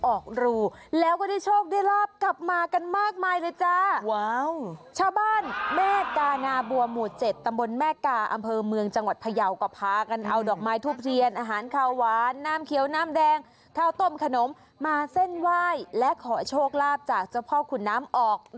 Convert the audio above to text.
ออกรูหือเจ้าปู่สีย่าศา